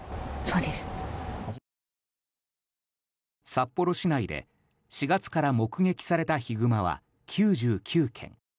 札幌市内で４月から目撃されたヒグマは９９件。